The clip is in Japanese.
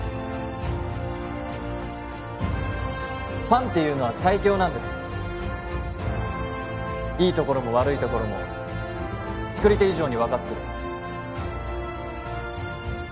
ファンっていうのは最強なんですいいところも悪いところも作り手以上に分かってる